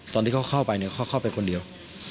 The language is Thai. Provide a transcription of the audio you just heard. ตอนที่เขาเข้าไปเนี่ยเขาเข้าไปคนเดียว